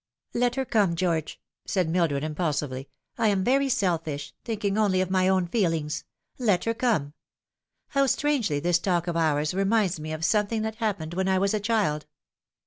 " Let her come, George," said Mildred impulsively ;" I am very selfish thinking only of my own feelings. Let her come. How strangely this talk of ours reminds me of something that happened when I was a child